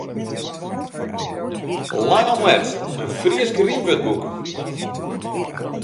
Lang om let: in Frysk rymwurdboek!